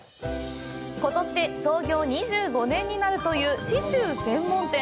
ことしで創業２５年になるというシチュー専門店。